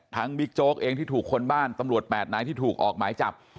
บิ๊กโจ๊กเองที่ถูกคนบ้านตำรวจ๘นายที่ถูกออกหมายจับ